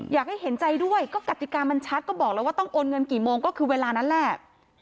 เห็นใจด้วยก็กติกามันชัดก็บอกแล้วว่าต้องโอนเงินกี่โมงก็คือเวลานั้นแหละ